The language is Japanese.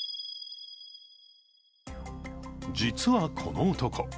実はこの男。